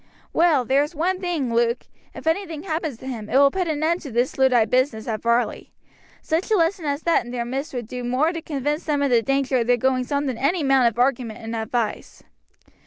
"Well, there is one thing, Luke; if anything happens to him it will put an end to this Luddite business at Varley. Such a lesson as that in their midst would do more to convince them of the danger of their goings on than any amount of argument and advice."